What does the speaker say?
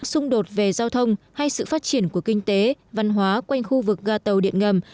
xung đột về giao thông hay sự phát triển của kinh tế văn hóa quanh khu vực ga tàu điện ngầm